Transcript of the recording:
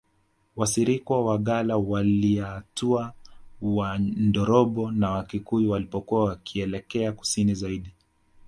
Wasirikwa Wagalla Waliatua Wandorobo na Wakikuyu walipokuwa wakielekea Kusini zaidi